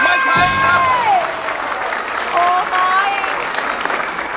ไม่ใช้ครับ